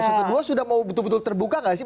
sudah mau betul betul terbuka nggak sih